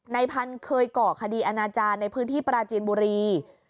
ในพันธุ์เคยก่อคดีอาณาจารย์ในพื้นที่ปราจีนบุรี